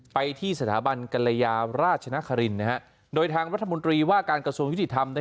ไปที่สถาบันกรยาราชนครินโดยทางรัฐมนตรีว่าการกระทรวงยุติธรรม